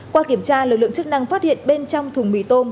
qua kiểm tra lực lượng chức năng phát hiện bên trong thùng mì tôm